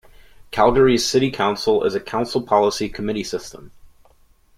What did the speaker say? Calgary's City Council is a council-policy committee system.